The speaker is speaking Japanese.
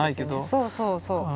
そうそうそう。